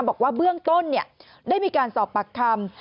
บอกว่าเบื้องต้นได้มีการสอบปากคำ